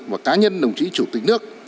và cá nhân đồng chí chủ tịch nước